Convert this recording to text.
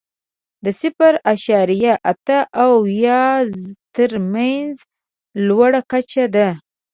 د صفر اعشاریه اته او یو تر مینځ لوړه کچه ده.